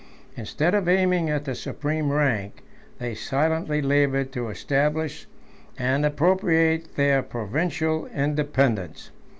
Instead of aiming at the supreme rank, they silently labored to establish and appropriate their provincial independence.